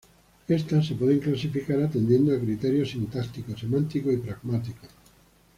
Estas se pueden clasificar atendiendo a criterios sintácticos, semánticos y pragmáticos.